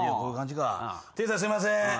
店員さんすいませーん。